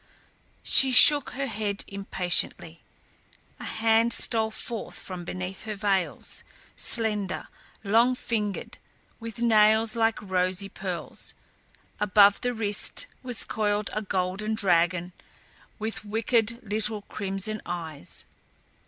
She shook her head impatiently. A hand stole forth from beneath her veils, slender, long fingered with nails like rosy pearls; above the wrist was coiled a golden dragon with wicked little crimson eyes.